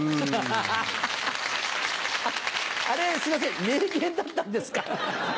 あっあれすいません名言だったんですか？